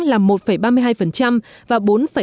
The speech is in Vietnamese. là một ba mươi hai và bốn bốn